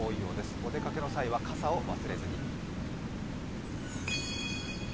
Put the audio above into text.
お出かけの際は傘を忘れずに。